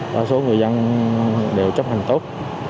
và số người dân đều chấp hành tốt